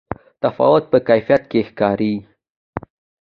تفاوت په کیفیت کې ښکاري.